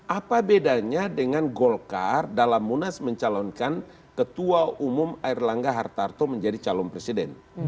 apa bedanya dengan golkar dalam munas mencalonkan ketua umum air langga hartarto menjadi calon presiden